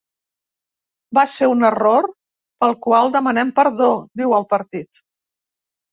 Va ser un error pel qual demanem perdó, diu el partit.